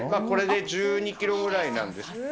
これで１２キロぐらいなんです。